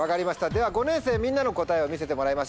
では５年生みんなの答えを見せてもらいましょう。